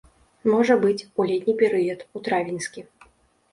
Можа быць, у летні перыяд, у травеньскі.